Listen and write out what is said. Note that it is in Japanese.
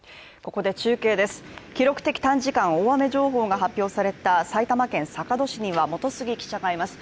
ここで中継です、記録的短時間大雨情報が発表された埼玉県坂戸市には本杉記者がいます。